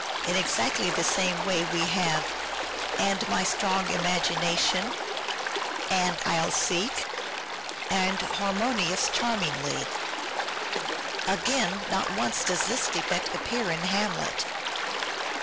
In exactly the same way we have :—'.' and My strong imagination " (II. i.) "and I'll seek" (III. 3.) "and Harmonious charmingly" (IV. i.) Again, not once does this defect appear in " Hamlet."